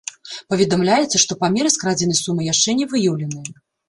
Паведамляецца, што памеры скрадзенай сумы яшчэ не выяўленыя.